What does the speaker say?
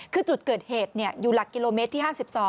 คือจุดเกิดเหตุอยู่หลักกิโลเมตรที่๕๒